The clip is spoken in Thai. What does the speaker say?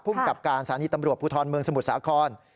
กับการสถานีตำรวจภูทรเมืองสมุทรสาคร